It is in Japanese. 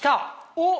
おっ！